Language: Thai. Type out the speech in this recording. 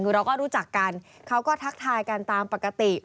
คือเราก็รู้จักกันเขาก็ทักทายกันตามปกติ